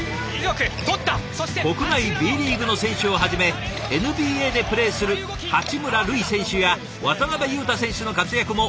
国内Ｂリーグの選手をはじめＮＢＡでプレーする八村塁選手や渡邊雄太選手の活躍も印象的でしたね。